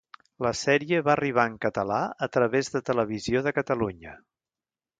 La sèrie va arribar en català a través de Televisió de Catalunya.